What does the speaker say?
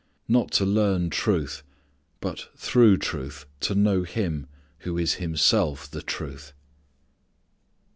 Not to learn truth but through truth to know Him who is Himself the Truth.